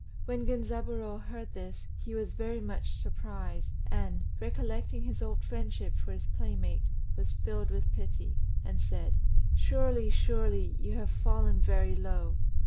When Genzaburô heard this he was very much surprised, and, recollecting his old friendship for his playmate, was filled with pity, and said, "Surely, surely, you have fallen very low.